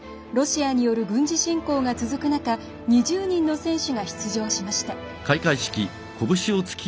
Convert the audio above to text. ロシアによる軍事侵攻が続く中２０人の選手が出場しました。